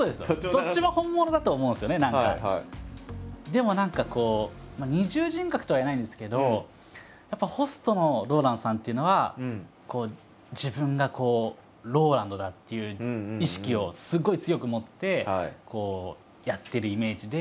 でも何かこう二重人格とは言わないんですけどやっぱホストのＲＯＬＡＮＤさんっていうのは自分がＲＯＬＡＮＤだっていう意識をすごい強く持ってこうやっているイメージで。